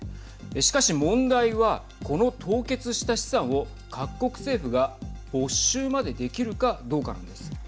しかし、問題はこの凍結した資産を各国政府が没収までできるかどうかなんです。